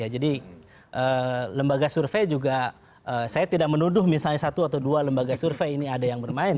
jadi lembaga survei juga saya tidak menuduh misalnya satu atau dua lembaga survei ini ada yang bermain